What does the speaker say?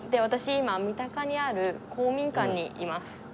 今三鷹にある公民館にいます。